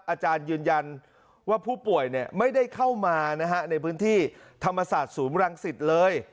อาจารย์ยืนยันว่าผู้ป่วยไม่ได้เข้ามาในพื้นที่ธรรมศาสตร์ศูนย์รังสิตเลย